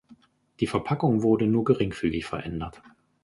Die Verpackung wurde nur geringfügig verändert.